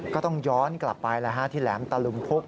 ก็ต้องย้อนกลับไปที่แหลมตะลุมพุก